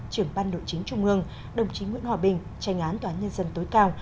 trưởng ban nội chính trung ương đồng chí nguyễn hòa bình tranh án tòa án nhân dân tối cao